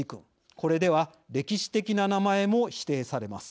これでは歴史的な名前も否定されます。